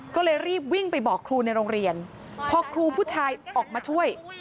ก็เลยรีบวิ่งไปบอกครูในโรงเรียนพอครูผู้ชายออกมาช่วย